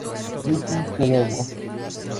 Yūki Kagawa